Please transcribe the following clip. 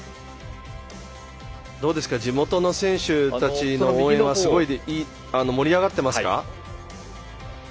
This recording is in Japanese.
地元の選手たちの応援は盛り上がっていますか？